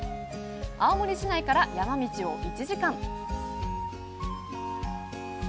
青森市内から山道を１時間。